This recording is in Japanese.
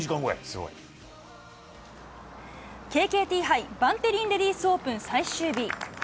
すごい。ＫＫＴ杯バンテリンレディスオープン最終日。